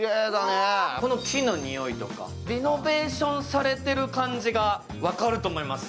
この木のにおいとかリノベーションされている様子が分かると思います。